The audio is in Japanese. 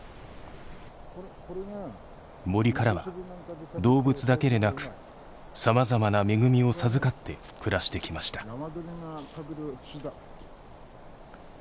森からは動物だけでなくさまざまな恵みを授かって暮らしてきました。